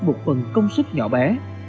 một phần công sức nhỏ bé